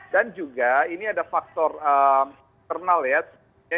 dan juga ini ada faktor internal ya